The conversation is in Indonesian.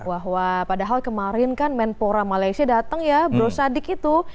wah padahal kemarin kan menpora malaysia datang ya bro sadik itu